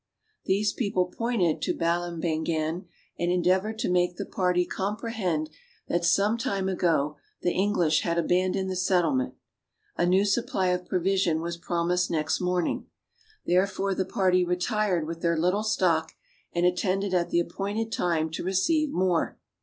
These people pointed to Balambangan, and endeavored to make the party comprehend that sometime ago the English had abandoned the settlement. A new supply of provision was promised next morning; therefore the party retired with their little stock, and attended at the appointed time to receive more.